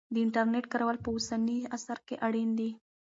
د انټرنیټ کارول په اوسني عصر کې اړین دی.